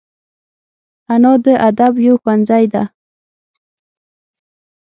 انا د ادب یو ښوونځی ده